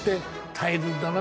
耐えるんだな